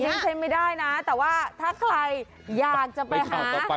หกนึงเซ็นไม่ได้นะแต่ว่าถ้าใครอยากจะไปหา